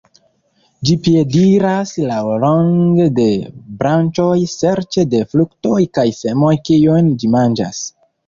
Ĝi piediras laŭlonge de branĉoj serĉe de fruktoj kaj semoj kiujn ĝi manĝas.